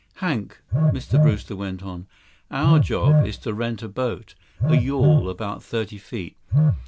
"Hank," Mr. Brewster went on, "our job is to rent a boat. A yawl, about thirty feet.